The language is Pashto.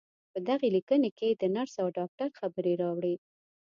په دغې ليکنې کې د نرس او ډاکټر خبرې راوړې.